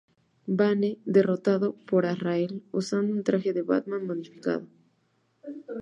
Bane: Derrotado por Azrael usando un traje de Batman modificado.